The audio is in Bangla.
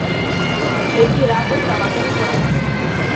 এটি রাতে চলাচল করে।